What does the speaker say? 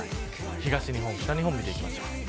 東日本、北日本見ていきましょう。